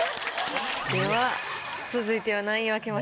では続いては何位を開けましょうか？